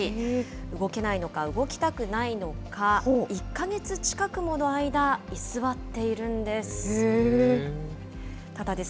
動けないのか、動きたくないのか、１か月近くもの間、居座っているんです。